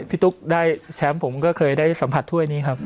ตุ๊กได้แชมป์ผมก็เคยได้สัมผัสถ้วยนี้ครับ